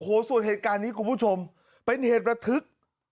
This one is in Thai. โอ้โหส่วนเหตุการณ์นี้คุณผู้ชมเป็นเหตุระทึก